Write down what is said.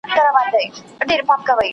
نوي ښکاري په لاس کې دام واخيستو